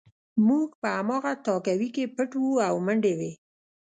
موږ په هماغه تهکوي کې پټ وو او منډې وې